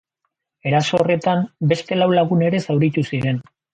Eraso horretan, beste lau lagun ere zauritu ziren.